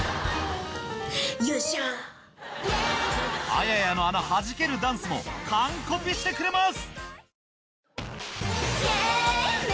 あややのあのはじけるダンスも完コピしてくれます